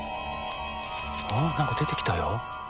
何か出てきたよ。